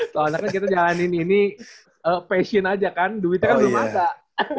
kalau enggak kan kita jalanin ini passion aja kan duitnya kan belum masa